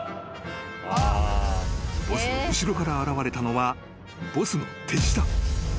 ［ボスの後ろから現れたのはボスの手下］